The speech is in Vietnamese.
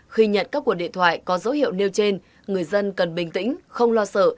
khi nhận các cuộc điện thoại có dấu hiệu nêu trên người dân cần bình tĩnh không lo sợ